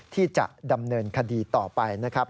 ที่จะดำเนินคดีต่อไปนะครับ